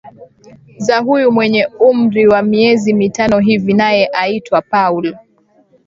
za huyu mwenye umri wa miezi mitano hivi naye aitwa paul